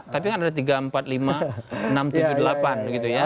tapi kan ada tiga empat lima enam tujuh delapan gitu ya